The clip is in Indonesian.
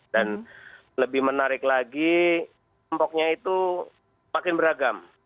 dan lebih menarik lagi kelompoknya itu makin beragam